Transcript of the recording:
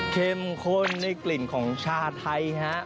เข้มข้นในกลิ่นของชาไทยฮะ